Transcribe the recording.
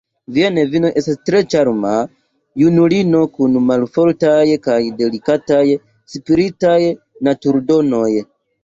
Via nevino estas tre ĉarma junulino kun maloftaj kaj delikataj spiritaj naturdonoj.